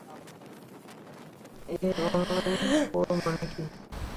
এই online poll মানে কি?